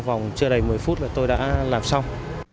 phòng chưa đầy một mươi phút rồi tôi đã làm xong